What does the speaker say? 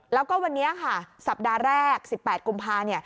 แล้วก็วันนี้ค่ะสัปดาห์แรก๑๘กุมภา